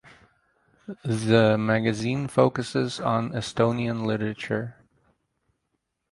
The magazine focuses on Estonian literature.